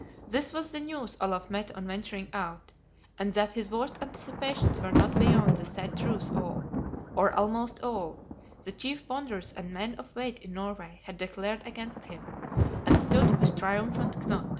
This was the news Olaf met on venturing out; and that his worst anticipations were not beyond the sad truth all, or almost all, the chief Bonders and men of weight in Norway had declared against him, and stood with triumphant Knut.